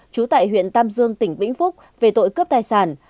trú tại huyện tam dương tỉnh vĩnh phúc về tội cướp tài sản